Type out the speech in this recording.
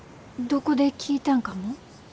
どこで聴いたんかも？